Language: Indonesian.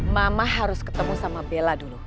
mama harus ketemu sama bella dulu